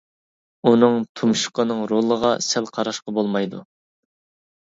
ئۇنىڭ تۇمشۇقىنىڭ رولىغا سەل قاراشقا بولمايدۇ.